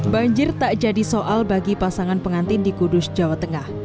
banjir tak jadi soal bagi pasangan pengantin di kudus jawa tengah